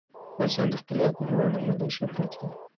افغانستان د خپلې آب وهوا له امله شهرت لري.